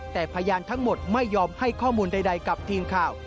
แต่พยานทั้งหมดไม่ยอมให้ข้อมูลใดกับทีมข่าว